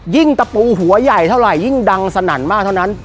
ตะปูหัวใหญ่เท่าไหร่ยิ่งดังสนั่นมากเท่านั้น